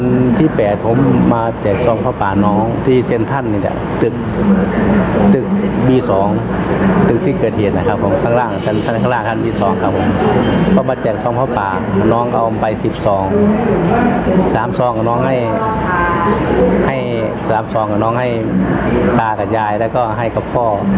น้องให้ตากับยายและก็ให้กับพ่อ